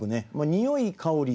におい香り